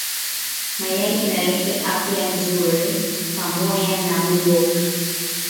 Mayayi inaleta afya nzuri pamoya na buyoka